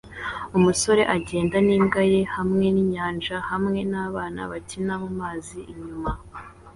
Umusore agenda n'imbwa ye hamwe ninyanja hamwe nabana bakina mumazi inyuma